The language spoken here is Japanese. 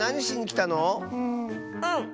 うん。